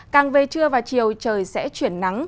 càng về trưa và chiều trời sẽ chuyển nắng